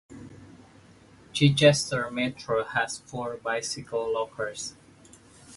Chichester Metro has four bicycle lockers.